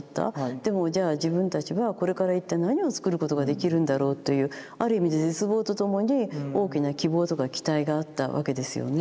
でもじゃあ自分たちはこれから一体何を作ることができるんだろうというある意味で絶望とともに大きな希望とか期待があったわけですよね。